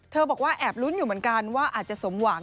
บอกว่าแอบลุ้นอยู่เหมือนกันว่าอาจจะสมหวัง